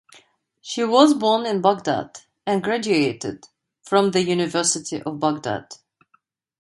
She was born in Baghdad and graduated from the University of Baghdad.